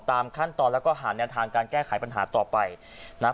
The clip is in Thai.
แล้วก็หาแนวทางการแก้ไขปัญหาต่อไปนะครับ